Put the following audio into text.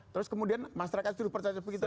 terus kemudian masyarakat sudah percaya begitu aja